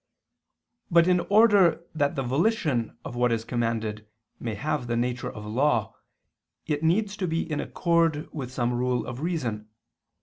But in order that the volition of what is commanded may have the nature of law, it needs to be in accord with some rule of reason.